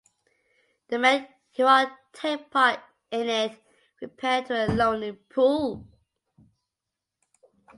The men who are to take part in it repair to a lonely pool.